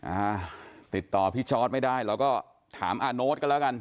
อ่าติดต่อพี่จอร์ดไม่ได้เราก็ถามอาโน๊ตกันแล้วกัน